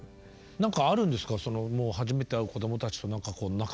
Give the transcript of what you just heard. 何かあるんですか？